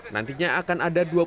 nantinya akan ada dua puluh tikungan